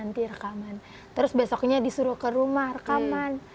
nanti rekaman terus besoknya disuruh ke rumah rekaman